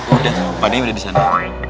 ustaz pak d udah di sana